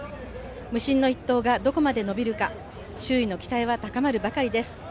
無心の一投がどこまで延びるか、周囲の期待は膨らむ一方です。